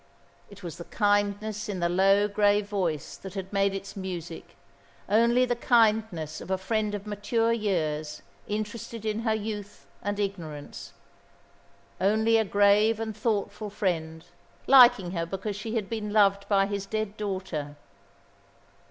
It was the kindness in the low, grave voice that had made its music: only the kindness of a friend of mature years interested in her youth and ignorance, only a grave and thoughtful friend, liking her because she had been loved by his dead daughter.